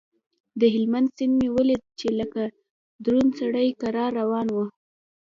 د هلمند سيند مې وليد چې لکه دروند سړى کرار روان و.